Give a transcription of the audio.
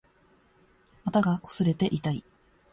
股が擦れて痛い